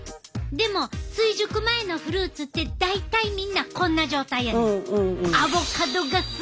でも追熟前のフルーツって大体みんなこんな状態やねん。